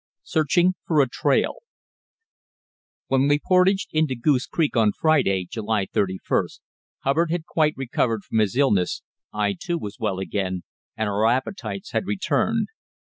SEARCHING FOR A TRAIL When we portaged into Goose Creek on Friday, July 31st, Hubbard had quite recovered from his illness, I, too, was well again, and our appetites had returned.